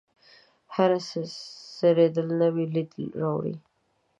هره څیرېدل نوی لید راوړي.